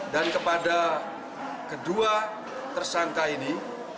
dan kepada kedua tersangka ini